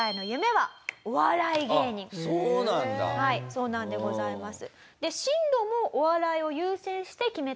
はいそうなんでございます。